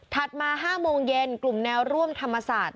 มา๕โมงเย็นกลุ่มแนวร่วมธรรมศาสตร์